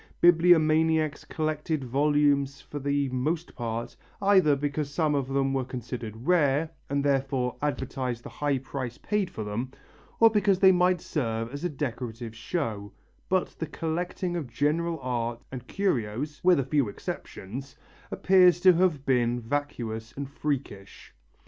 Bibliomaniacs collected volumes for the most part either because some of them were considered rare, and therefore advertised the high price paid for them, or because they might serve as a decorative show, but the collecting of general art and curios, with a few exceptions, appears to have been vacuous and freakish.